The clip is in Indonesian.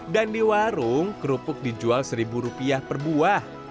dan di warung kerupuk dijual rp satu per buah